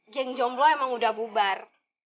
geng jomblo emang udah bubar